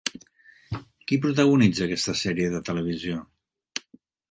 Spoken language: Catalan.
Qui protagonitza aquesta sèrie de televisió?